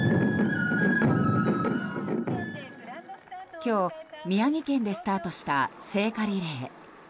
今日、宮城県でスタートした聖火リレー。